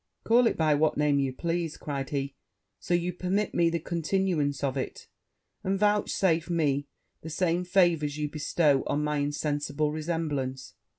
'Call it by what name you please,' cried he, 'so you permit me the continuance of it, and vouchsafe me the same favours you bestow on my insensible resemblance.'